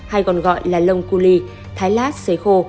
hay còn gọi là lông cu ly thái lát xế khô